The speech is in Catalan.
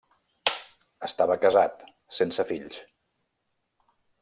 Estava casat, sense fills.